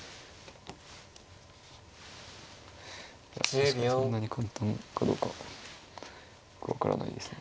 いや確かにそんなに簡単かどうか分からないですね。